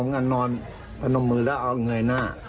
นางสาวสิริขวัญ